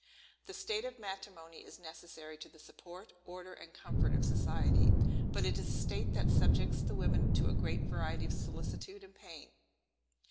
The state of matrimony is necessary to the support, order, and comfort of society. But it is a state that subjects the women to a great variety of solicitude and pain.